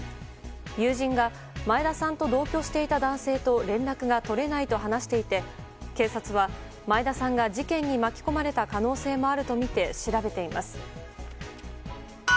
友人が、前田さんと同居していた男性と連絡が取れないと話していて警察は、前田さんが事件に巻き込まれた可能性もあるとみて調べています。